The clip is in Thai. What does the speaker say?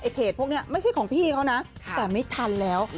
เพจพวกนี้ไม่ใช่ของพี่เขานะแต่ไม่ทันแล้ว